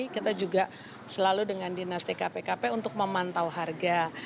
kita juga selalu dengan dinasti kpkp untuk memantau harga